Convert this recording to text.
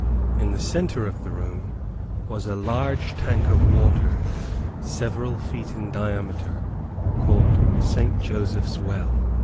In the center of the room was a large tank of water, several feet in diameter, called St. Joseph's well.